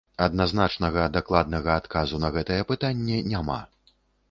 Адназначнага дакладнага адказу на гэтае пытанне няма.